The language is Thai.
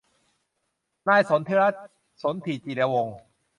นายสนธิรัตน์ สนธิจิรวงศ์